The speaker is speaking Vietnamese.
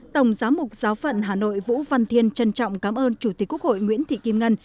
tổng giáo mục giáo phận hà nội vũ văn thiên trân trọng cảm ơn chủ tịch quốc hội nguyễn thị kim ngân